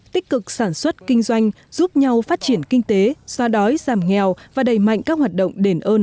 tích cực sản xuất kinh doanh giúp nhau phát triển kinh tế xoa đói giảm nghèo và đầy mạnh các hoạt động đền ơn